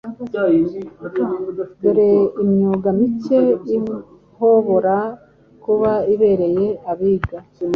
Dore imyuga mike ihobora kuba ibereye abiga